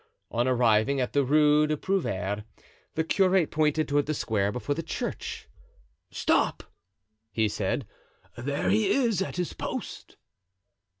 On arriving at the Rue des Prouvaires, the curate pointed toward the square before the church. "Stop!" he said, "there he is at his post."